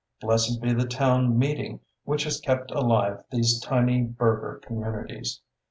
Blessed be the town meet ing which has kept alive these tiny burgher communities!